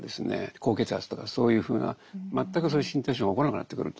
高血圧とかそういうふうな全くそういう身体症状が起こらなくなってくると。